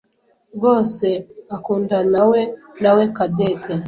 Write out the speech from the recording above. rwose akundanawe nawe Cadette.